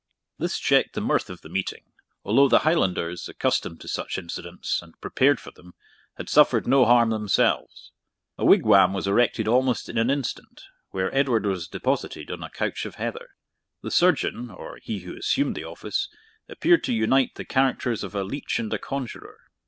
] This checked the mirth of the meeting, although the Highlanders, accustomed to such incidents, and prepared for them, had suffered no harm themselves. A wigwam was erected almost in an instant, where Edward was deposited on a couch of heather. The surgeon, or he who assumed the office, appeared to unite the characters of a leech and a conjuror.